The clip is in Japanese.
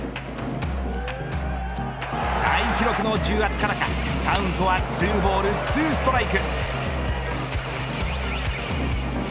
大記録の重圧からかカウントは、ツーボールツーストライク。